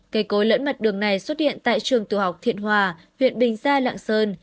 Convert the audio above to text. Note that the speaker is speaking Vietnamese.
cây cối lẫn mặt đường này xuất hiện tại trường tiểu học thiện hòa huyện bình gia lạng sơn